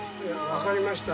分かりました。